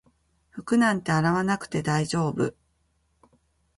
服なんて洗わなくて大丈夫